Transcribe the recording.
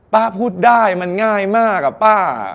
ป้าพูดได้มันง่ายมากอะป้า